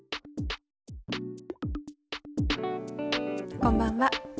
こんばんは。